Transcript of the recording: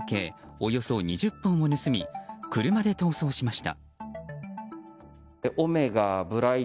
およそ２０本を盗み車で逃走しました。